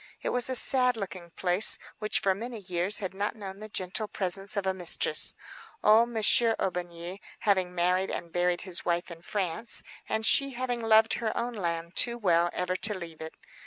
It was a sad looking place, which for many years had not known the gentle presence of a mistress, old Monsieur Aubigny having married and buried his wife in France, and she having loved her own land too well ever to leave it.